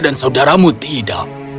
dan saudaramu tidak